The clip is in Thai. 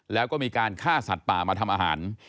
แล้วก็มีการฆ่าสัตว์ป่ามาทำอาหาร